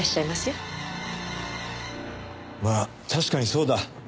まあ確かにそうだ。